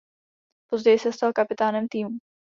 Později se stal kapitánem týmu.